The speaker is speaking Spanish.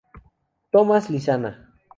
Tomás Lizana